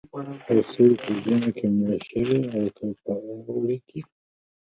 هوسۍ په ژمي کې مړه شوې او که په اوړي کې.